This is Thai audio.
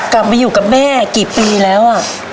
กลับมาอยู่กับแม่กี่ปีแล้ว